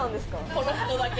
この人だけ。